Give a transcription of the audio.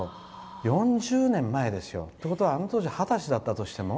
４０年前ですよ。ということはあの当時二十歳だったとしても。